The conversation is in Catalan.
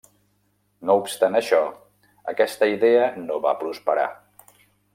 No obstant això aquesta idea no va prosperar.